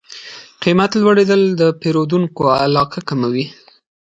قیمت لوړېدل د پیرودونکو علاقه کموي.